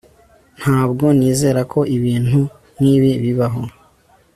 Ntabwo nizera ko ibintu nkibi bibaho